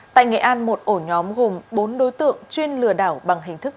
tại nghệ an một ổ nhóm gồm bốn đối tượng chuyên lừa đảo bằng hình thức